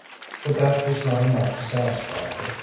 But that was not enough to satisfy her.